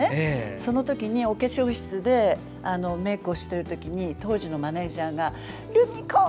そのときにお化粧室でメークをしているときに当時のマネージャーがルミ子！